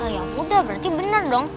ya mudah berarti bener dong